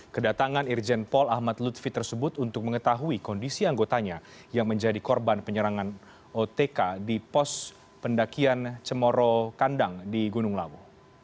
kedatangan irjen paul ahmad lutfi tersebut untuk mengetahui kondisi anggotanya yang menjadi korban penyerangan otk di pos pendakian cemoro kandang di gunung lawu